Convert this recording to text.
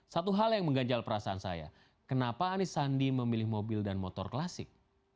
satu hal yang mengganjal perasaan saya kenapa anies sandi memilih mobil dan motor klasik